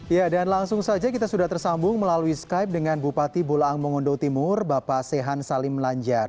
ya dan langsung saja kita sudah tersambung melalui skype dengan bupati bolaang mongondo timur bapak sehan salim lanjar